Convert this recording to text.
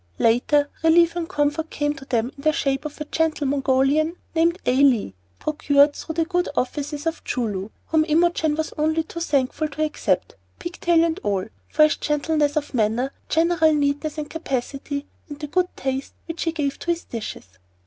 Later, relief and comfort came to them in the shape of a gentle Mongolian named Ah Lee, procured through the good offices of Choo Loo, whom Imogen was only too thankful to accept, pig tail and all, for his gentleness of manner, general neatness and capacity, and the good taste which he gave to his dishes.